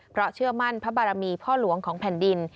เพราะเชื่อมั่นพระบารมีพ่อหลวงของแผ่นดิน